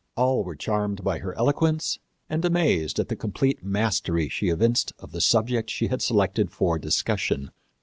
All were charmed by her eloquence and amazed at the complete mastery she evinced of the subject she had selected for discussion.